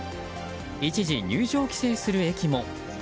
一時、入場規制する駅も。